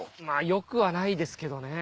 よくはないですけどね。